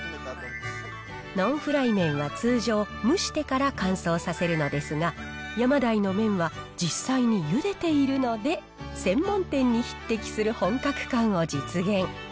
ノンフライ麺は通常、蒸してから乾燥させるのですが、ヤマダイの麺は実際にゆでているので、専門店に匹敵する本格感を実現。